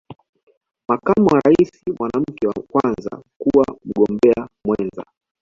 Makamu wa rais mwanamke wa Kwanza kuwa Mgombea Mwenza